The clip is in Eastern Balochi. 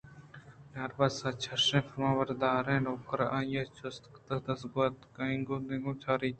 بناربسءَچشں فرما نبر داریں نوکر ءُ آئی ءِ جست درگوٛزکُت ءُاینگو آنگو چاراِت